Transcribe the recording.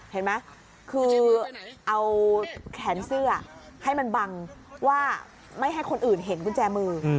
เห็นไหมคือเอาแขนเสื้อให้มันบังว่าไม่ให้คนอื่นเห็นกุญแจมือ